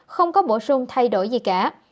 không có bổ sung thay đổi gì cả